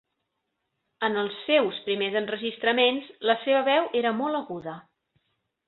En els seus primers enregistraments, la seva veu era molt aguda.